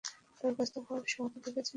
বরখাস্ত হওয়ার শখ জেগেছে নাকি?